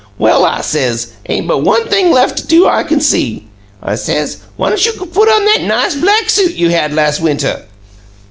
'Well,' I says, 'ain't but one thing lef' to do I can see,' I says. 'Why don't you go put on that nice black suit you had las' winter?'"